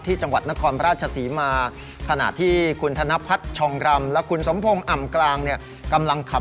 ที่จังหวัดนครพระราชสีมา